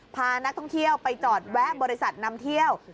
พานักท่องเที่ยวไปจอดแวะบริษัทนำเที่ยว